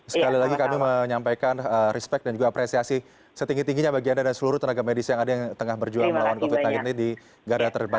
sekali lagi kami menyampaikan respect dan juga apresiasi setinggi tingginya bagi anda dan seluruh tenaga medis yang ada yang tengah berjuang melawan covid sembilan belas ini di garda terdepan